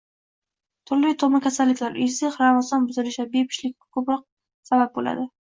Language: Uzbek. Turli tug‘ma kasalliklar, irsiy xromosom buzilishlar bepushtlikka ko‘proq sabab bo‘ladi.